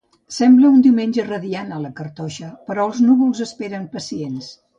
Sembla un diumenge radiant a la cartoixa, però els núvols esperen pacients.